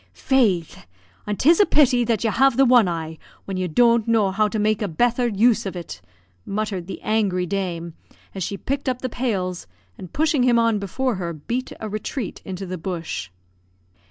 "Faix! an' 'tis a pity that you have the one eye, when you don't know how to make a betther use of it," muttered the angry dame, as she picked up the pails, and, pushing him on before her, beat a retreat into the bush.